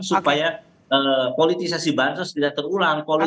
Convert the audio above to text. supaya politisasi bansos tidak terulang